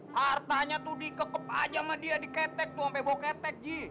hartanya tuh dikekep aja sama dia diketek tuh sampai bawa ketek ji